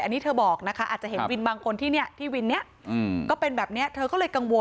อันนี้เธอบอกนะคะอาจจะเห็นวินบางคนที่เนี่ยที่วินนี้ก็เป็นแบบนี้เธอก็เลยกังวล